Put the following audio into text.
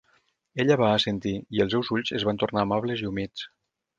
Ella va assentir i els seus ulls es van tornar amables i humits.